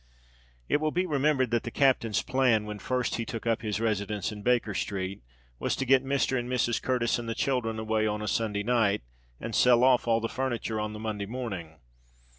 It will be remembered that the captain's plan, when first he took up his residence in Baker Street, was to get Mr. and Mrs. Curtis and the children away on a Sunday night, and sell off all the furniture on the Monday morning.